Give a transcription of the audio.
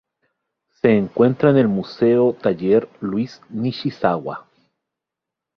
Se encuentra en el Museo Taller Luis Nishizawa.